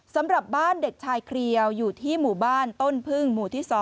สำหรับบ้านเด็กชายเครียวอยู่ที่หมู่บ้านต้นพึ่งหมู่ที่๒